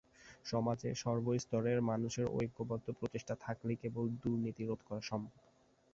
সমাজের সর্বস্তরের মানুষের ঐক্যবদ্ধ প্রচেষ্টা থাকলেই কেবল দুর্নীতি রোধ করা সম্ভব।